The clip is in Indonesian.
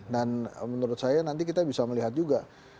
dan menurut saya nanti kita bisa melihat juga